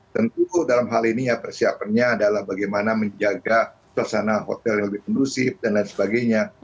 tentu dalam hal ini persiapannya adalah bagaimana menjaga suasana hotel yang lebih kondusif dan lain sebagainya